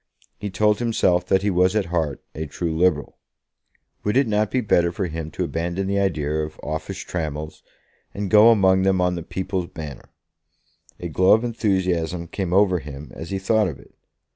He told himself that he was at heart a true Liberal. Would it not be better for him to abandon the idea of office trammels, and go among them on the People's Banner? A glow of enthusiasm came over him as he thought of it.